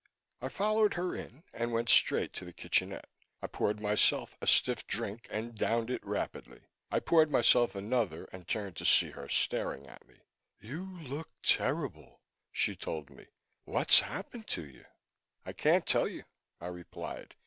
I followed her in and went straight to the kitchenette. I poured myself a stiff drink and downed it rapidly. I poured myself another and turned to see her staring at me. "You look terrible," she told me. "What's happened to you?" "I can't tell you," I replied.